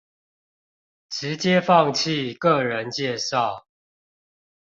直接放棄個人介紹